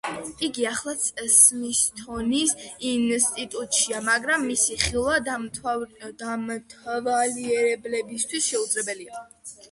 იგი ახლაც სმითსონის ინსტიტუტშია, მაგრამ მისი ხილვა დამთვალიერებლებისთვის შეუძლებელია.